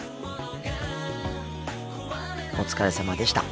お疲れさまでした。